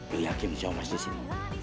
lo yakin jawabannya sih